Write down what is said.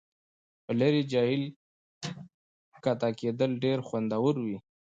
په لرې جهیل کښته کیدل ډیر خوندور وي